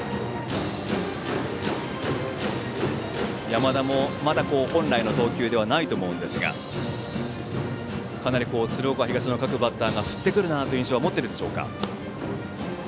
山田もまだ本来の投球ではないと思うんですがかなり鶴岡東の各バッターが振ってくるなという印象は持っているでしょうか。